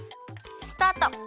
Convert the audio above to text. スタート！